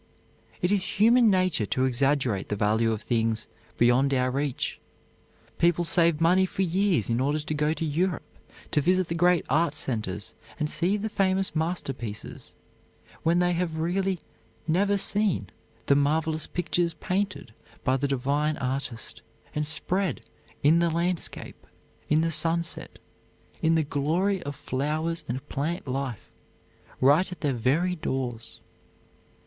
It is human nature to exaggerate the value of things beyond our reach. People save money for years in order to go to Europe to visit the great art centers and see the famous masterpieces, when they have really never seen the marvelous pictures painted by the Divine Artist and spread in the landscape, in the sunset, in the glory of flowers and plant life, right at their very doors.